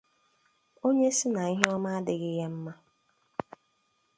Onye sị na ihe ọma adịghị ya mma